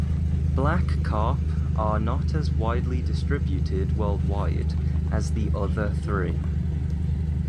Black carp are not as widely distributed worldwide as the other three.